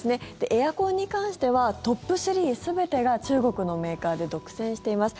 エアコンに関してはトップ３全てが中国のメーカーで独占しています。